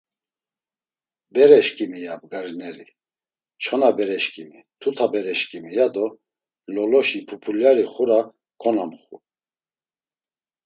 “Bereşǩimi!” ya bgarineri; “Çona bereşǩimi! Tuta bereşǩimi!” ya do Loloşi pupulyari xura konamxu.